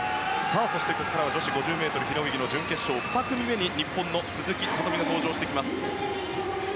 そしてここからは女子５０ｍ平泳ぎの準決勝２組目に日本の鈴木聡美が登場してきます。